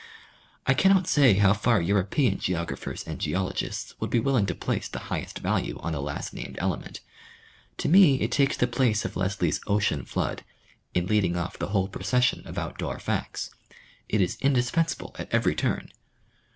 I cannot say how far European geographers and geologists would be will ing to place the highest value on the last named element ; to me it takes the place of Lesley's ocean flood, in leading off the whole procession of outdoor facts. It is indispensable at every turn.